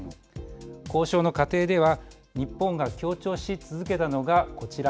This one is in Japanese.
交渉の過程では日本が強調し続けたのがこちら。